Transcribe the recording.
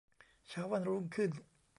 เช้าวันรุ่งขึ้น